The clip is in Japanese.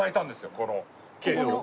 ここのケーキを。